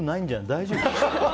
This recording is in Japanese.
大丈夫？